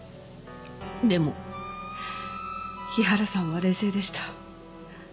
でも日原さんは冷静でした。